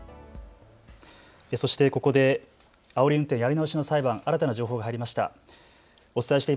そしてここで、あおり運転やり直しの裁判、新たな情報が入りました。